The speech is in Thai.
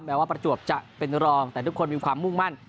ว่าประจวบจะเป็นรองแต่ทุกคนมีความมุ่งมั่น